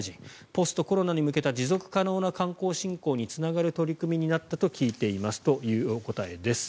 ポストコロナに向けた持続可能な観光振興につながる取り組みになったと聞いていますというお答えです。